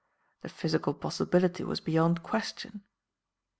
The physical possibility was beyond question.